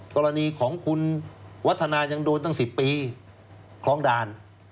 กรณีของคุณวัฒนายังโดนตั้ง๑๐ปีคลองด่าน